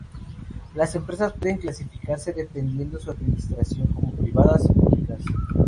Las empresas pueden clasificarse, dependiendo su Administración, como Privadas y Públicas.